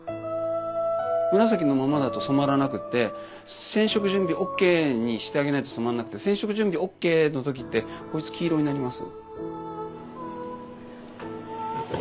紫のままだと染まらなくて染色準備ＯＫにしてあげないと染まんなくて染色準備ＯＫの時ってこいつ黄色になります。